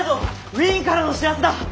ウィーンからの知らせだ！